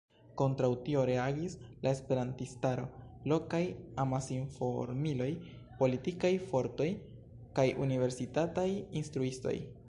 Kontraŭ tio reagis la esperantistaro, lokaj amasinformiloj, politikaj fortoj kaj universitataj instruistoj.